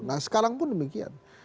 nah sekarang pun demikian